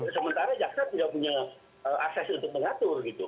sementara jaksa tidak punya akses untuk mengatur gitu